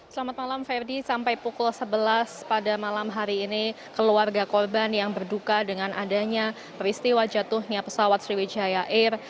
selamat malam ferdi sampai pukul sebelas pada malam hari ini keluarga korban yang berduka dengan adanya peristiwa jatuhnya pesawat sriwijaya air